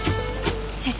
先生